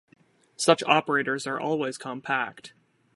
Such operators are always compact.